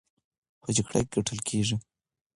په جګړه کې ګټل کېږي،